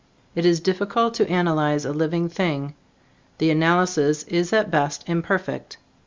It is difficult to analyze a living thing; the analysis is at best imperfect.